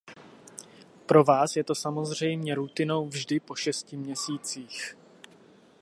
Pro vás je to samozřejmě rutinou vždy po šesti měsících.